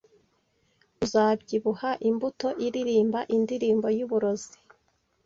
uzabyibuha Imbuto iririmba Indirimbo Yuburozi